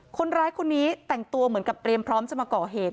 คนร้ายคนนี้แต่งตัวเหมือนกับเตรียมพร้อมจะมาก่อเหตุ